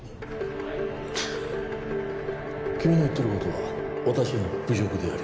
君の言ってることは私への侮辱であり